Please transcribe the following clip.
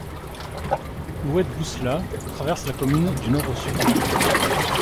L'Oued Bousselah traverse la commune du nord au sud.